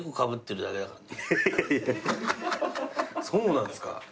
そうなんすか？